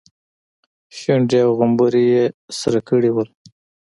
شونډې او غومبري يې سره کړي وو.